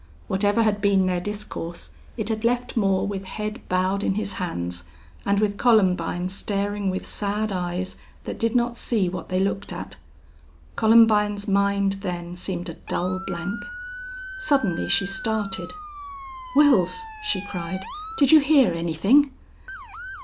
Whatever had been their discourse, it had left Moore with head bowed in his hands, and with Columbine staring with sad eyes that did not see what they looked at. Columbine's mind then seemed a dull blank. Suddenly she started. "Wils!" she cried. "Did you hear anything?"